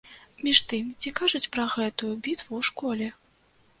Між тым, ці кажуць пра гэтую бітву ў школе?